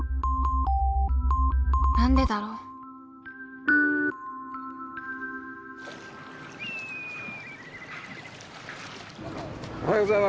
何でだろう。